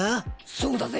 そうだぜ。